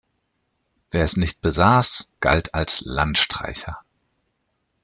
Wer es nicht besaß, galt als Landstreicher.